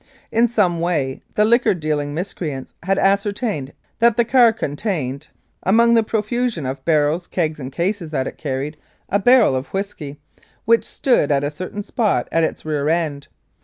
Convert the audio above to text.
In some way the liquor dealing miscreants had ascertained that the car contained (among the profusion of barrels, kegs and cases that it carried) a barrel of whisky, which stood at a certain spot at its rear end.